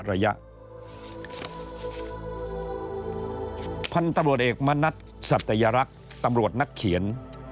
ระยะพันธุ์ตำรวจเอกมณัฐสัตยรักษ์ตำรวจนักเขียน